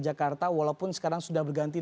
jakarta walaupun sekarang sudah berganti